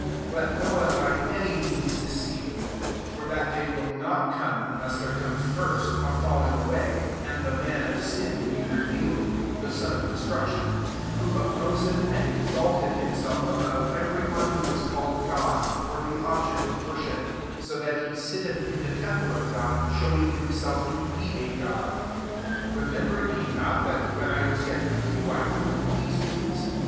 * 5 Let no one by any means leceive you : for that day vfUl 9Qt come, unless there come irst a falling away, and the nan of sin be revealed, the ion of destruction ; 4 who op posetb) and exalteth himself ibove every one who is called p>d, or t/ie object q/* worship s so tkat he sitteth in the temple of Bod, showing himself to be a (od. 5 Remember ye not, that, nrhwi I was yet with you, I iold you these things